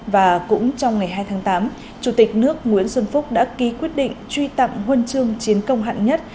và cũng trong ngày hai tháng tám chủ tịch nước nguyễn xuân phúc đã ký quyết định truy tặng huân chương chiến công hạng nhất